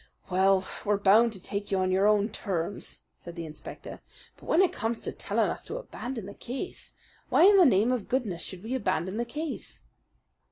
"Well, we're bound to take you on your own terms," said the inspector; "but when it comes to telling us to abandon the case why in the name of goodness should we abandon the case?"